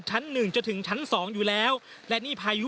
ชั้นหนึ่งจะถึงชั้นสองอยู่แล้วและนี่พายุ